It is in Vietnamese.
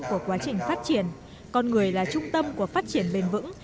của quá trình phát triển con người là trung tâm của phát triển bền vững